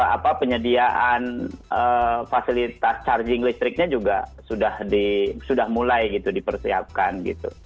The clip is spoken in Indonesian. apa penyediaan fasilitas charging listriknya juga sudah mulai gitu dipersiapkan gitu